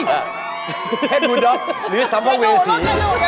เฟนบูด็อกหรือสำหรับเวสี